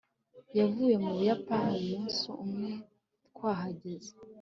Yavuye mu Buyapani umunsi umwe twahageze